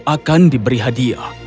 dan dia akan diberi hadiah